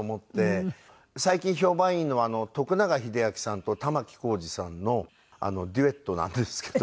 最近評判いいのは永明さんと玉置浩デュエットなんですけど。